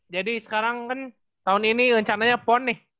jadi sekarang kan tahun ini rencananya pon nih